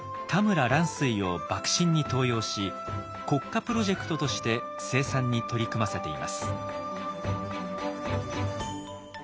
田村藍水を幕臣に登用し国家プロジェクトとして生産に取り組ませています。